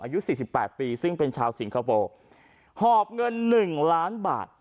อายุสี่สิบแปดปีซึ่งเป็นชาวสิงคโปร์หอบเงิน๑ล้านบาท